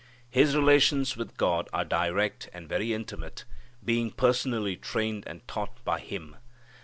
His relations with God are direct and very intimate, being personally trained and taught by Him.